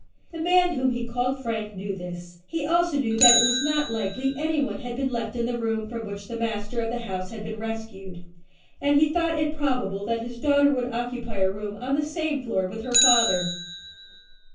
The man whom he called Frank knew this. He also knew that it was not likely any one had been left in the room from which the master of the house had been rescued, and he thought it probable that his daughter would occupy a room on the same floor with her father.